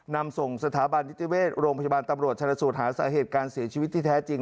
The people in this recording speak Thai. นำส่งสถาบันนิติเวชโรงพยาบาลตำรวจชนสูตรหาสาเหตุการเสียชีวิตที่แท้จริง